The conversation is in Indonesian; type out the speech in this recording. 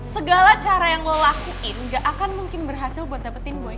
segala cara yang lo lakuin gak akan mungkin berhasil buat dapetin gue